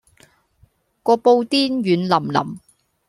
個布甸軟腍腍